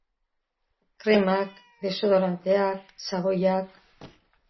Kremak, desodoranteak, xaboiak.